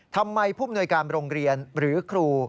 ทำไมผู้มนวยการโรงเรียนหรือครู